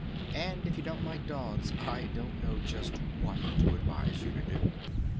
And if you don't like dogs I don't know just what to advise you to do!